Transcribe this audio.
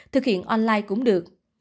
thực hiện online cũng được